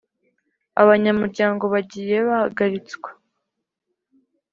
Abanyamuryango bagiye bahagaritswa